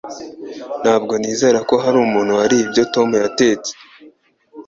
Ntabwo nizera ko hari umuntu wariye ibyo Tom yatetse.